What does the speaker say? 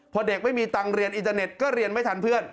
พอเด็กไม่มีตังค์เรียนอินเทอร์เน็ตก็เรียนไม่ทันเพื่อน